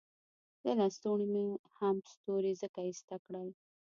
له لستوڼو مې هم ستوري ځکه ایسته کړل.